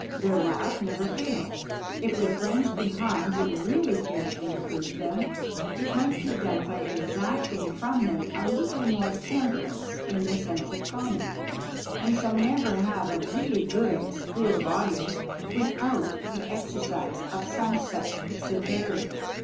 Their laugh never fails. If their friends behind would really care to improve them, it might be done by exacting from them a little more temperance in their sense of comedy. We shall never have a really good school of audience without the exercise of some such severity.